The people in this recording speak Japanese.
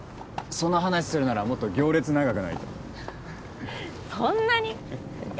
その話するならもっと行列長くないとそんなに？